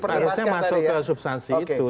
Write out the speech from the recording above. harusnya masuk ke substansi itu